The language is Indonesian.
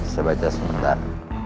saya baca sebentar